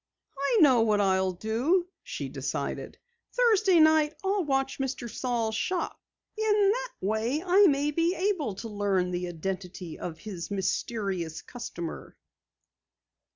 "I know what I'll do," she decided. "Thursday night I'll watch Mr. Saal's shop. In that way I may be able to learn the identity of his mysterious customer!"